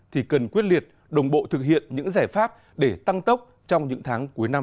thì cần quyết liệt đồng bộ thực hiện những giải pháp để tăng tốc trong những tháng cuối năm